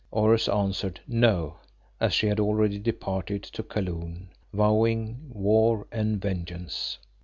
Oros answered "No," as she had already departed to Kaloon, vowing war and vengeance.